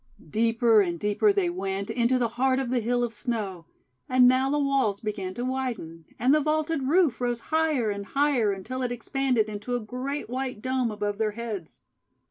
Deeper and deeper they went into the heart of the Hill of Snow. And now the walls began to widen; and the vaulted roof rose higher and higher, until it expanded into a great white dome above their heads.